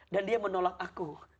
dan dia menolak aku